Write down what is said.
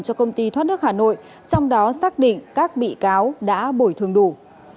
cho công ty thoát nước hà nội trong đó xác định các bị cáo đã bồi thường đủ